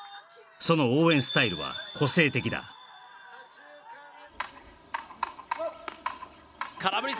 その応援スタイルは個性的だ空振り